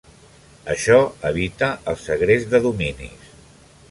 Això evita el segrest de dominis.